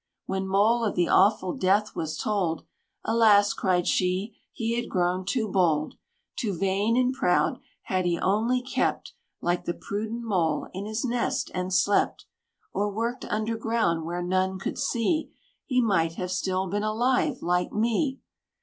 When Mole of the awful death was told, "Alas!" cried she, "he had grown too bold Too vain and proud! Had he only kept, Like the prudent Mole, in his nest, and slept. Or worked underground, where none could see, He might have still been alive, like me!"